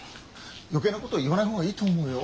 余計なこと言わない方がいいと思うよ。